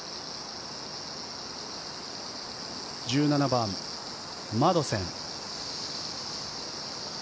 １７番、マドセン。